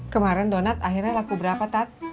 kemarin donat akhirnya laku berapa tat